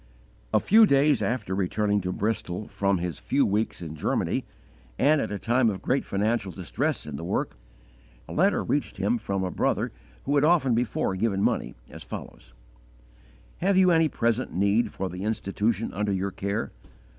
A few days after returning to Bristol from his few weeks in Germany, and at a time of great financial distress in the work, a letter reached him from a brother who had often before given money, as follows: "Have you any present need for the Institution under your care?